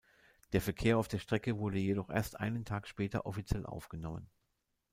Der Verkehr auf der Strecke wurde jedoch erst einen Tag später offiziell aufgenommen.